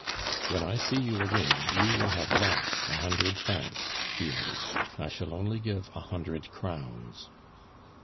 "When I see you again, you will have lost a hundred francs," he added. "I shall only give a hundred crowns."